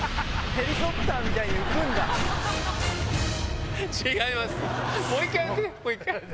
ヘリコプターみたいに浮くん違います。